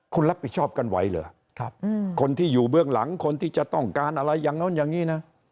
คุณรับผิดชอบกันไว้เหรอคนที่อยู่เบื้องหลังคนที่จะต้องการอะไรอย่างโน้นอย่างนี้นะ